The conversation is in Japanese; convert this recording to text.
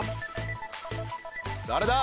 誰だ？